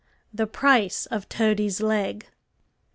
THE PRICE OF TOADY'S LEG.